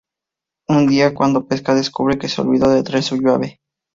Un día, cuando pesca, descubre que se olvidó de traer su llave.